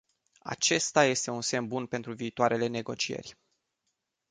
Acesta este un semn bun pentru viitoarele negocieri.